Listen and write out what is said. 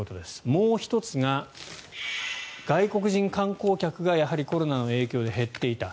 もう１つが外国人観光客がコロナの影響で減っていた。